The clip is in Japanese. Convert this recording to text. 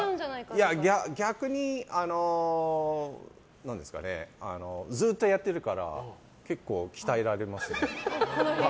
逆に、ずっとやってるから結構鍛えられます。